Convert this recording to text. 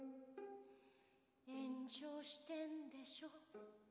「炎上しているんでしょう」